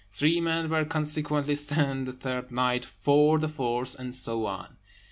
Three men were consequently sent the third night, four the fourth, and so on.